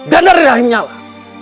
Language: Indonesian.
dan dari dahi menyala